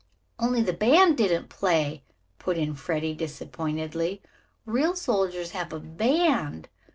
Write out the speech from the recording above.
"Only the band didn't play," put in Freddie disappointedly. "Real soldiers have a band.